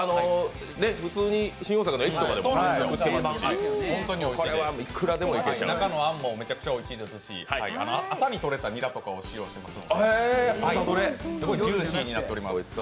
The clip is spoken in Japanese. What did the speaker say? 普通に新大阪の駅とかでも売ってるし、これはいくらでもいけ中のあんもおいしくて、朝にとれたニラとかを使用していますので、すごいジューシーになっております。